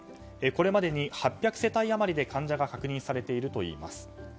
これまでに８００世帯余りで患者が確認されているといいます。